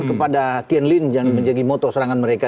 kepada tian lin yang menjadi motor serangan mereka